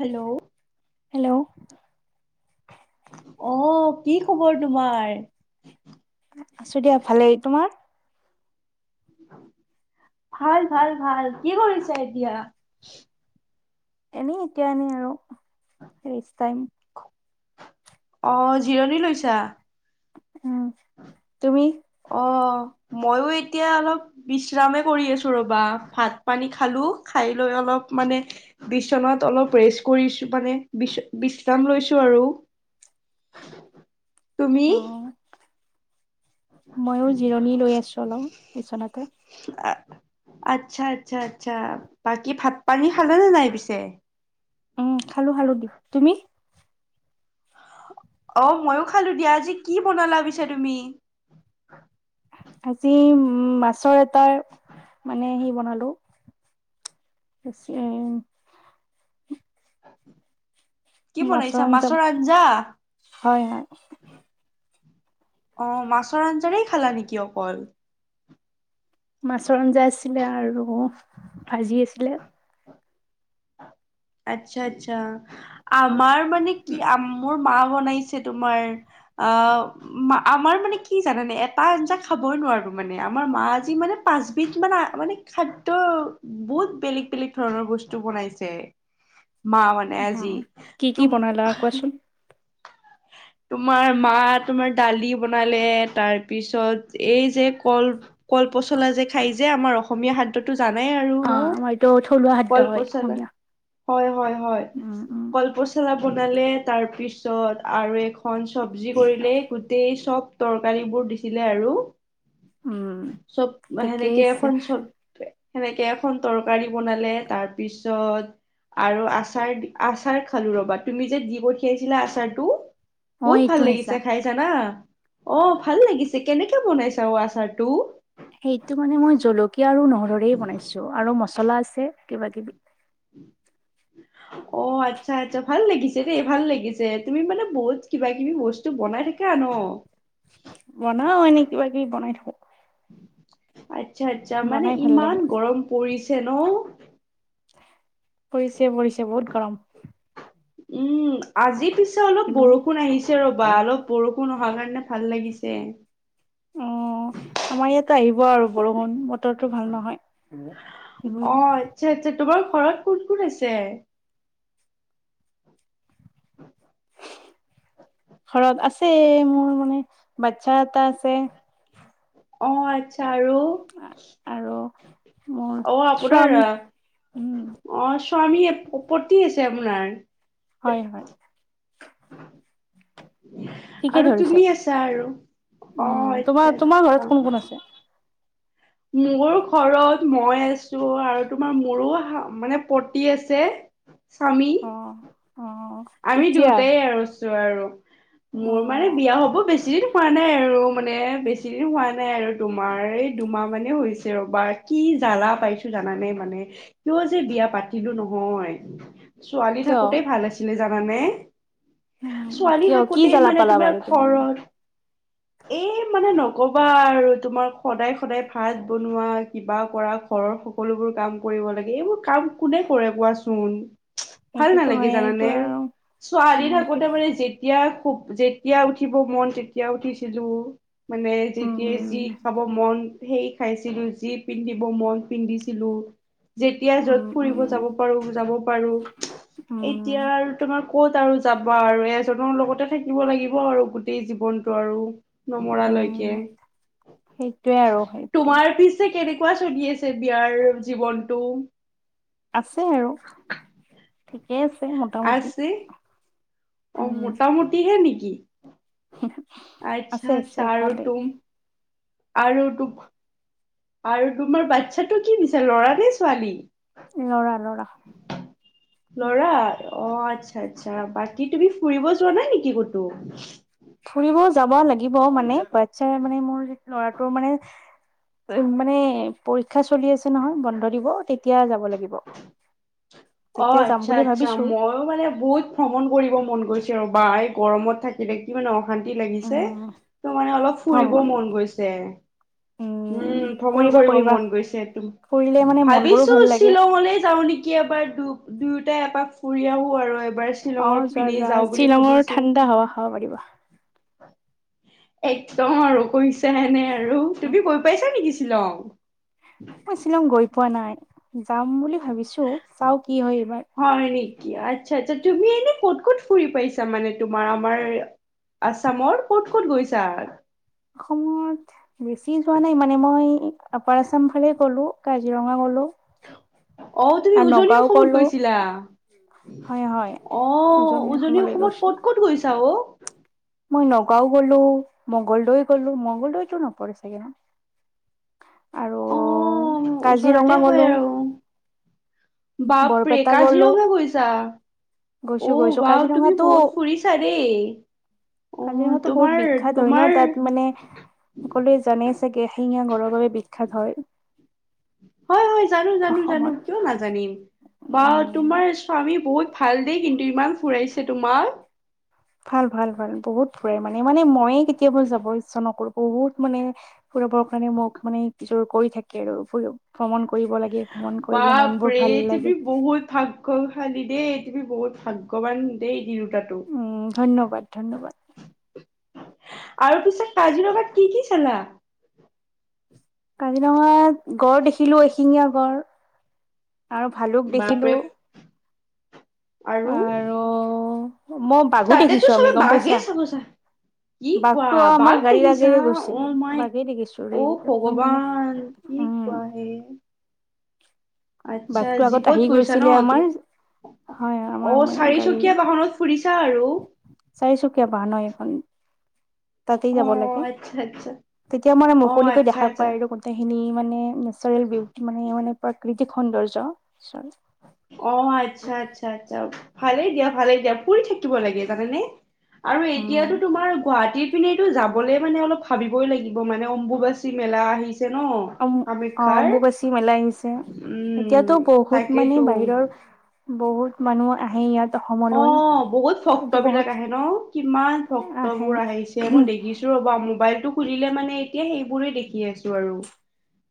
Hello hello অ' কি খবৰ তোমাৰ আছো দিয়া ভালেই তোমাৰ ভাল ভাল ভাল কি কৰিছা এতিয়া এনেই এতিয়া এনেই আৰু ৰেচটাইম অ জিৰণি লৈছা উম, তুমি মইও এতিয়া অলপ বিশ্ৰামে কৰি আছো ৰবা ভাত পানী খালো খাই লৈ অলপ মানে বিচনাত অলপ ৰেষ্ট কৰিছো মানে বিশ্ৰাম লৈছো আৰু তুমি অ ময়ো জিৰণি লৈ আছোঁ অলপ বিচনাতে আচ্ছা আচ্ছা আচ্ছা বাকী ভাত পানী খালে নে নাই পিছে উম খালো খালো দি তুমি অ ময়ো খালো দিয়া আজি কি বনালা পিছে তুমি আজি উম মাছ মাছৰ এটাৰ মানে সি বনালো [unintelligible] [inaudible] কি বনাইছা মাছৰ আঞ্জা হয় হয় অৱ, মাছৰ আঞ্জাৰ খালা নেকি অকল! মাছৰ আঞ্জা আছিলে আৰু ভাজি আছিলে আচ্ছা আচ্ছা। আমাৰ মানে কি মোৰ মা বনাইছে তোমাৰ আহ আমাৰ মানে কি জানানে এটা আঞ্জা খাবই নোৱাৰো মানে আমাৰ মা আজি মানে পাচবিধ মানে মানে খাদ্য বহুত বেলেগ বেলেগ ধৰণৰ বস্তু বস্ত বনাইছে মা মানে অ আজি কি কি তুম বনালা কোৱাচোন তোমাৰ মা তোমাৰ দালি বনালে তাৰপিছত এই যে ক'ল ক'ল পচলা যে খাই যে আমাৰ অসমীয়া খাদ্যতো জানাই আৰু অ ন আমাৰতো থলুৱা খাদ্য হয় কলপচলা অসমীয়া হয় হয় উম উম কলপচলা বনালে তাৰপিছত আৰু এক ঘন চব্জি কৰিলে গোটেই চব তৰকাৰী বোৰ দিছিলে আৰু উম চব ঠিকেই সেনেকে আছে এখন চব সেনেকে এখন তৰকাৰী বনালে তাৰপিছত আৰু আচাৰ আচাৰ খালো ৰবা তুমি যে দি পঠিয়াইছিলা আচাৰ তু অ বহুত ভাল এইটো আহিছা লাগিছে খাই জানা। অ ভাল লাগিছে কেনেকে বনাইছা অ আচাৰটো সেইটো মানে মই জলকী- কীয়া আৰু নহৰোৰেই বনাইছোঁ আৰু মছলা আছে। কিবা কিবি অ আচ্ছা আচ্ছা ভাল লাগিছে দেই ভাল লাগিছে তুমি মানে বহুত কিবা কিবি বস্তু বনাই থাকা ন। বনাও এনেই কিবা কিবি বনাই থাকো। আচ্ছা আচ্ছা মানে বনাই ভাল ইমান লাগে। গৰম পৰিছ- যেনো পৰিছে পৰিছে বহুত গৰম। উম আজি পিছ অলপ কিন্তু বৰষুণ আহিছে ৰ'বা অলপ বৰষ- কোনো অহা নাই নে ভাল লাগিছে। অ আমাৰ ইয়াত আহিব আৰু বৰষুণ বতৰটো ভাল নহয়। উ কি অ ভইল আচ্ছা আচ্ছা তোমাৰ ঘৰত কোন কোন আছে? ঘৰত আছে মোৰ মানে বাচ্ছা এটা আছে। অ আছ- চা আৰু। আৰু মোৰ আপোনাৰ স্বামী উম অ স্বামীয়ে পতি আছে আপোনাৰ হয় হয় [inaudible] ঠিকেই আৰু ধৰিছে তুমি আছা আৰু অ উম তোমাৰ আচ্ছা তোমাৰ ঘৰত কোন আচ্ছা কোন আছে মোৰ ঘৰত মই আছ- আৰু তোমাৰ মোৰো মানে পতি আছে। স্বামী অ অ আমি কেতিয়া দুয়োটাই আৰু য আৰু অ মোৰ মানে বিয়া হ'ব বেছিৰ হোৱা নাই আৰু মানে বেছি দিন হোৱা নাই আৰু তোমাৰ এই দুমাহ মানে হৈছে ৰবা কি জ্বালা পাইছো জানা নাই মানে কিয় যে বিয়া পাতিলো নহয়। ছোৱালী কিয় থাকোতেই ভাল আছি- জানানে। উম। ছোৱালী কিয়? কি' থাকোতেই জ্বালা মানে পালা তোমাৰ বাৰু তুমি ইমান? ঘৰত এই মানে নকবা আৰু তোমাৰ সদায়, সদায় ভাত বনোৱা, কিবা কৰা, ঘৰৰ সকলোবোৰ কাম কৰিব লাগে। এইবোৰ কাম কোনে কৰে কোৱাচোন? ভাল সেইটো তো নালাগে হয়ে। জানানে। এইটো- আৰু ছোৱালী উম, থাকোতে এইটোতো মানে যেতিয়া- হোব, যেতিয়া উঠিব মন তেতিয়া উঠিছিলো। মানে উম, যেতিয়াই যি খাব মন- সেই খাইছিলো। যি পিন্ধিব মন পিন্ধিছিলো। যেতিয়াই উম, য'ত ফুৰিব উম, যাব পাৰো, যাব পাৰো। উম, এতিয়া- তোমাৰ ক'ত আৰু যাবা আৰু। এজনৰ লগতে থাকিব লাগিব আৰু, গোটেই জীৱন টো আৰু- নমৰালৈকে। উম, সেইটোৱে আৰু সেইটোৱে তোমাৰ পিছে কেনেকুৱা- খোৱা চলি আছে বিয়াৰ জীৱনটো? আছে আৰু, ঠিকে আছে। মুটা- আছে। অঁ মুটা-মুটি হে' নেকি। [inaudible] আচ্ছা, আছে আছে আচ্ছা। ভালেই আৰু [unintelligible] আৰু তোমাৰ বাতচ্ছা টো কি নিছা ল'ৰা নে ছোৱালী? ল'ৰা, ল'ৰা। অঁ আচ্ছা, আচ্ছা। বাকী তুমি ফুৰিব যোৱা নাই নেকি ক'তো? ফুৰিব যাব লাগিব। মানে বাচ্ছাৰে মানে, মোৰ ল'ৰাটোৰ মানে, মানে পৰীক্ষা চলি আছে নহয়। বন্ধ দিব তেতিয়া যাব লাগিব। অঁ তেতিয়া যাম আচ্ছা, বুলি আচ্ছা। ভাবিছো মইও মানে বহুত ভ্ৰমণ কৰিব মন গৈছে। বা'গৰমত থাকিলে কিমান - অশান্তি লাগিছে। উম, ত' মানে অলপ ফূৰিব ভ্ৰমণ মন গৈছে। উম ভ্ৰমণ কৰিবা কৰিব কৰিবা। মন গৈছে টো। ফুৰিলে মানে মন বোৰো ভাবিছো ভাল লাগে শ্বিলংঙলে যাওঁ নেকি। এবাৰ দূৰতে- এপাক ফুৰি আহো। আৰু- এবাৰ অঁ শ্বিলঙৰ যোৱা, পিনে যোৱা যাওঁ বুলি শ্বিলঙৰ ভাবিছো। ঠাণ্ডা হাৱা খাব পাৰিবা। একদম আৰু কৈছো- এনেই আৰু। তুমি গৈ পাইছা নেকি? শ্বিলং। মই শ্বিলং গৈ। পোৱা নাই। যাম বুলি ভাবিছো, চাও কি হয় এইবাৰ। হয় নেকি আচ্ছা আচ্ছা তুমি এনে ক'ত ক'ত ফুৰি পাইছা মানে তোমাৰ আমাৰ আছামৰ ক'ত ক'ত গৈছা? [unintelligible] অসমত বেছি যোৱা নাই মানে মই আপাৰ আছাম ফালে গ'লো। কাজিৰঙা গ'লো অ তুমি আৰু উজনি নগাঁও অসমত গ'লো গৈছিলা। হয় হয় অ উজনি অসমলৈ অসমত ক'ত গৈছিলো ক'ত গৈছিলা? লা অ। মই নগাঁও গ'লো মঙ্গলদৈ গলো মংগলদৈতো নপৰি চাগে ন। আৰু অ কাজিৰঙা ওচৰতে হয় গ'লো আৰু, বাপৰে বৰপেটা গ'লো কাজিৰঙা গৈছা? গৈছো গৈছো অহ ৱাও, তুমি কাজিৰঙাতো বহুত ফুৰিছা দেই। অ কাজিৰঙাতো বহুত তোমাৰ বিখ্যাত হয় ন তোমাৰ তাত মানে সকলোৱে জানেই চাগে, এশিঙীয়া গঁড় ৰ বাবে বিখ্যাত হয়। হয় হয় জানো জানো জানো, অসমত। কিয় নাজানিম বা উম তোমাৰ স্বামী বহুত। ভাল দেই কিন্তু ইমান ফুৰাইছে তোমাক। ভাল ভাল ভাল বহুত। ফুৰাই মানে, মানে ময়েই কেতিয়াবা যাব ইচ্ছা নকৰো বহুত মানে ফুৰাবৰ কাৰণে মোক মানে যোৰ কৰি থাকে আৰু ভ্ৰমণ। কৰিব লাগে ভ্ৰমণ কৰিলে মন বোৰ বাপৰে ভাল লাগে তুমি বহুত ভাগ্য খালী দেই। [unintelligible] বহুত ভাগ্যৱান দেই দিন উম ধন্যবাদ ধন্যবাদ। আৰু পিছে কাজিৰঙাত কি কি চালা? কাজিৰঙাত গড় দেখিলো এশিঙীয়া গড়। আৰু ভালুক বাপৰে দেখিলো। আৰু মই বাঘো তাতেতো দেখিছো আমি চবে গম বাঘে পাইছা চাব যায়। কি কোৱা বাঘটো আমাৰ বাঘ গাড়ীৰ দেখিছা আগেৰে অ গৈছিলো মাই বাঘেই দেখিছো অ ৰেল একদম মানে ভগৱান কি উম কোৱা হে। আচ্ছা বাঘটো আগত জীপত আহি গৈছা ন? গৈছিলে আমাৰ অ চাৰিচকীয়া বাহনত ফুৰিছ। চাৰিচুকীয়া বাহন ন এখন। তাতেই অ যাব লাগে, আচ্ছা আচ্ছা তেতিয়া মানে অ মুকলিকৈ আচ্ছা দেখা আচ্ছা পায় গোটেইখিনি মানে নেচাৰেল বিউটি মানে মানে। প্ৰাকৃতিক সৌন্দৰ্য। অ আচ্ছা আচ্ছা আচ্ছা, ভালে দিয়ক। ভাল দিয়া, ফুৰি থাকিব লাগে জানে নে? আৰু এতিয়াতো উম তোমাৰ গুৱাহাটীত। কিন্তু এইটো যাবলে মানে অলপ ভাবিবই লাগিব মানে অম্বুবাচী মেলা আহিছে। ন অম অ কামাখ্যাৰ অম্বুবাচী মেলা আহিছে, উম এতিয়াতো বহুত। মানে বাহিৰৰ বহুত মানুহ আহে ইয়াত অ অসমলৈ বহুত ভক্ত এইটো বহুত বিলাক আহে ন কিমান ভক্ত আহে বোৰ আহিছে মই দেখিছো ৰ'বা মোবাইলতটো খুলিলে মানে এতিয়া সেইবোৰেই দেখি আছো আৰু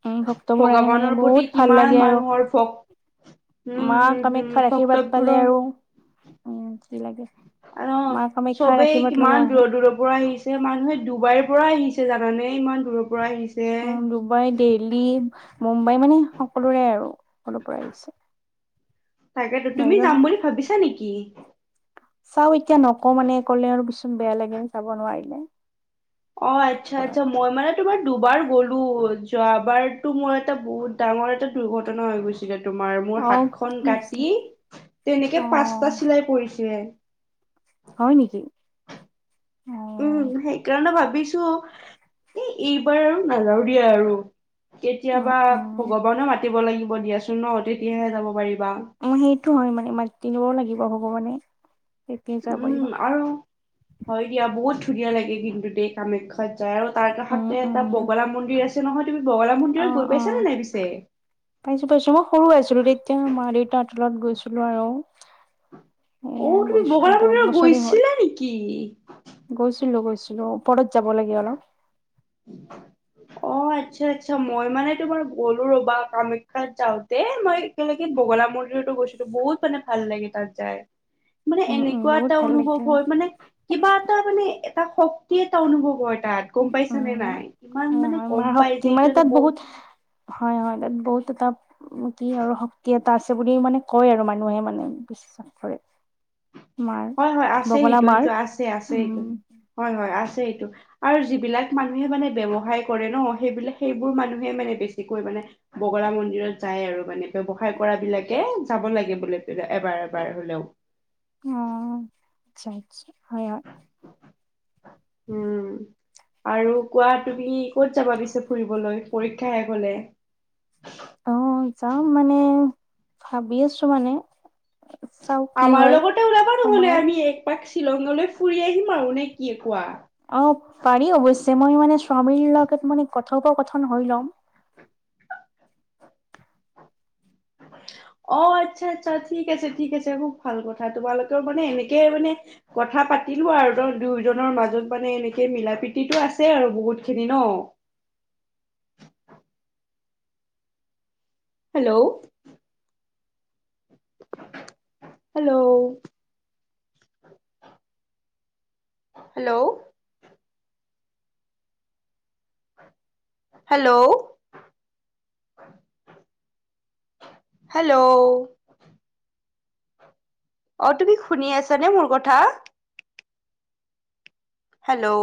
উম ভক্তবোৰ আহে মানে ভগৱানৰ প্ৰতি বহুত ভাল কিমান লাগে আৰু মানুহৰ ভ মা কামাখ্যাৰ আশীৰ্বাদ পালে আৰু উ অ চবেই আশীৰ্বাদ ল'ব কিমান আহে দূৰৰ দূৰৰ পৰা আহিছে মানুহে ডুবাইৰ পৰা আহিছে জান মানেই ইমান দূৰ উম ডুবাই দেল্হি মুম্বাই মানে সকলোৰে আৰু অলৰ পৰা আহিছে তাকেতো তুমি বাহিৰৰ যাম বুলি ভাবিছা নেকি চাও এতিয়া নকওঁ মানে কলে আৰু পিছত বেয়া লাগে যাব নোৱাৰিলে। অ আচ্ছা- আচ্ছা অ, মই মানে তোমাৰ দুবাৰ গ'লো যোৱাবাৰতো মোৰ এটা বহুত ডাঙৰ এটা দুৰ্ঘটনা হৈ গৈছিলে। তোমাৰ মোৰ অ, হাত খন কাটি তেনেকে পাঁচটা চিলাই পৰিছিলে। উম হয় নেকি অ, উম সেইকাৰণে ভাবিছো এ এইবাৰ আৰু নাযাওঁ দিয়া আৰু। উম, কেতিয়াবা উম, ভগৱানে মাতিব লাগিব। দিয়াচোন ন তেতিয়াহে যাব পাৰিব। অ সেইটো হয় মানে মাতিবও লাগিব। ব হ'ব মানে উম আৰু হয় দিয়া বহুত। ধুনীয়া লাগে কিন্তু দেই কামাখ্যাত। আৰু তাৰ উম, কাষতে উম, এটা বগলা মন্দিৰ আছে। নহয় তুমি বগলা অ মন্দিৰত গৈ অ পাইছানে নাই পিছে? পাইছো পাইছো মই সৰু আছিলো তেতিয়া মা দেউতাত ত গৈছিলো আৰু অ এয়া তুমি গৈছিলো বগালা বহুত মন্দিৰত বছৰে হ'ল গৈছিলা নেকি? অ গৈছিলোঁ ওপৰত যাব লাগে অলপ। অ আচ্ছা আচ্ছা মই মানে তোমাৰ গ'লো ৰ'বা কামাখ্যাত যাওঁতে মই একেলগে বগলা মন্দিৰতো গৈছিলো বহুত মানে ভাল লাগে তাত যাই। মানে উম, উম, এনেকুৱা বহুত এটা ভাল অনুভৱ লাগিল। হয় মানে কিবা এটা মানে এটা শক্তি এটা অনুভৱ হয় তাত গম পাইছা। নে উম নাই ইমান হয় মানে হয় গম মাৰ শক্তি পাইছে এইটো মানে এ তাত বহুত হয় হয় তাত বহুত এটা কি আৰু শক্তি এটা আছে বুলি মানে কয় আৰু মানুহে মানে বিশ্বাস কৰে। মাৰ হয় হয় আছে বগলা সেইটো মাৰ সেইটো আছে আছে সটো উম হয় হয় আছে। সটো আৰু যিবিলাক মানুহে মানে ব্যৱসায় কৰে ন আৰু আৰু যিবিলাক সেইবোৰ মানুহে মানে বেছিকৈ মানে বগলা মন্দিৰত যায় আৰু মানে ব্যৱসায় কৰা বিলাকে যাব লাগে বুলি এবাৰ এবাৰ হলেও। আচছা আচ্ছা হয় হয়। উম। আৰু কোৱা তুমি ক'ত যাবা পিছে ফুৰিবলৈ পৰীক্ষা শেষ হলে। অ যাম মানে ভাবি আছো মানে। চাও কি আমাৰ হয় লগতে উলাবা নহ'লে সময়ত আমি এক পাক। শ্বিলঙলৈ ফুৰি আহিম আৰু নে কি কোৱা। অ পাৰি অৱশ্যে মই মানে স্বামীৰ লগত মানে কথোপকথন হৈ ল'ম। অ আচ্ছা আচ্ছা ঠিক আছে ঠিক আছে খুব ভাল কথা, তোমালোকেও মানে এনেকেই মানে কথা পাতিলা আৰু তই দুয়োজনৰ মাজত মানে এনেকে মিলা-প্ৰীতি আছে আৰু বহুত খিনি ন। Hello, hello hello hello, hello অ তুমি শুনি আছানে মোৰ কথা। হেল্ল'